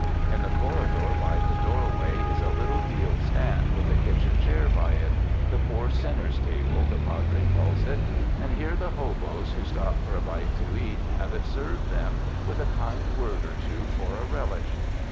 In the corridor by the doorway, is a little deal stand with a kitchen chair by it — "the poor sinner's table" the Padre calls it — and here the hoboes who stop for a bite to eat, have it served them with a kind word or two for a relish.